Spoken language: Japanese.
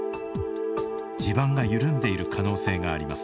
地盤が緩んでいる可能性があります。